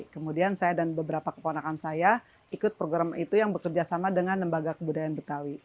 kemudian saya dan beberapa keponakan saya ikut program itu yang bekerja sama dengan lembaga kebudayaan betawi